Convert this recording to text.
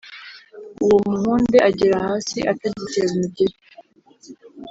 uwo muhunde agera hasi atagitera umugeli,